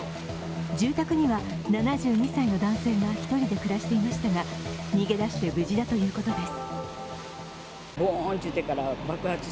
住宅には７２歳の男性が１人で暮らしていましたが、逃げ出して無事だということです。